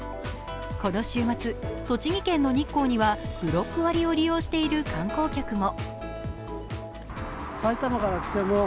この週末、栃木県の日光にはブロック割を利用している観光客も。